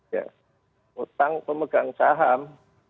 ya utang pemegang saham